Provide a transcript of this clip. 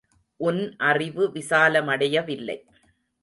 உன் அறிவு விசாலமடையவில்லை.